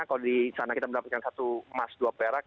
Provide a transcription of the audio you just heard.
kalau di sana kita mendapatkan satu emas dua perak